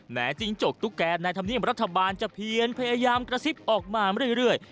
จิ้งจกตุ๊กแกในธรรมเนียมรัฐบาลจะเพียนพยายามกระซิบออกมาเรื่อย